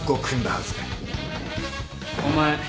お前